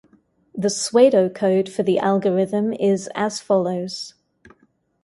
The pseudo-code for the algorithm is as follows.